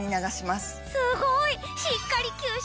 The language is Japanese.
すごい！